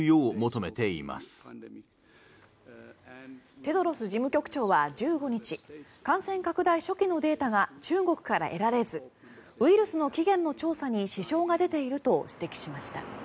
テドロス事務局長は１５日感染拡大初期のデータが中国から得られずウイルスの起源の調査に支障が出ていると指摘しました。